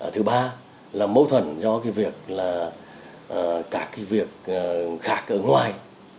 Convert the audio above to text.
thứ ba là mâu thuẫn do việc khạc ở ngoài